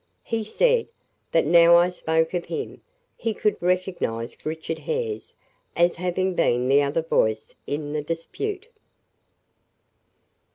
He said, that now I spoke of him, he could recognize Richard Hare's as having been the other voice in the dispute."